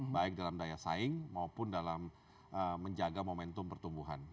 baik dalam daya saing maupun dalam menjaga momentum pertumbuhan